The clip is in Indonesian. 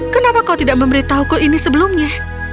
kenapa kau tidak memberitahuku ini sebelumnya